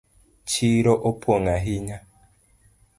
Chiro opong ahinya